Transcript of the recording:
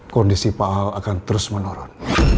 kondisi pak ahok akan terus menurun